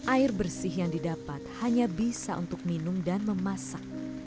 air bersih yang didapat hanya bisa untuk minum dan memasak